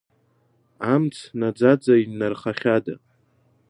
Амц наӡаӡа иннархахьада?